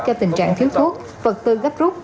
cho tình trạng thiếu thuốc vật tư gấp rút